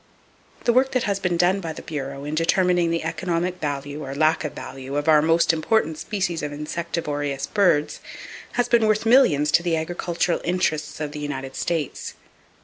The work that has been done by the Bureau in determining the economic value or lack of value of our most important species of insectivorous birds, has been worth millions to the agricultural interests of the United States.